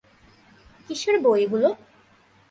কিসের বই এগুলো?